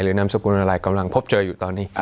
นามสกุลอะไรกำลังพบเจออยู่ตอนนี้